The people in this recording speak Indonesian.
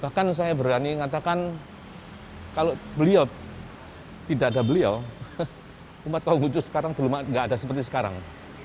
bahkan saya berani mengatakan kalau beliau tidak ada beliau umat konghucu sekarang belum tidak ada seperti sekarang